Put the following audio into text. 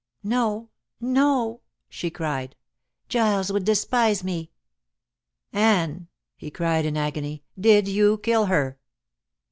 "No, no," she cried, "Giles would despise me." "Anne," he cried in agony, "did you kill her?"